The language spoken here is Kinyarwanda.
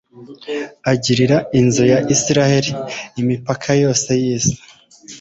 agirira inzu ya israheli. imipaka yose y'isi